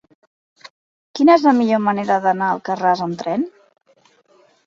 Quina és la millor manera d'anar a Alcarràs amb tren?